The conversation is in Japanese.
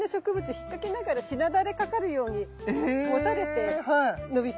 引っ掛けながらしなだれかかるようにもたれて伸びていくの。